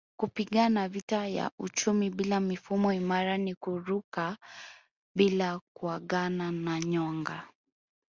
Kupigana vita ya uchumi bila mifumo imara ni kuruka bila kuagana na nyonga